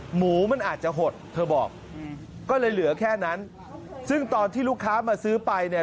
หมูมันอาจจะหดเธอบอกก็เลยเหลือแค่นั้นซึ่งตอนที่ลูกค้ามาซื้อไปเนี่ย